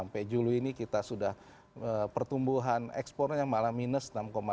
sampai julu ini kita sudah pertumbuhan ekspornya malah minus enam lima puluh delapan